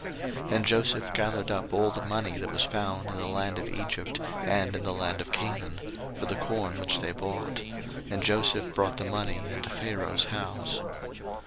01:047:014 And Joseph gathered up all the money that was found in the land of Egypt, and in the land of Canaan, for the corn which they bought: and Joseph brought the money into Pharaoh's house.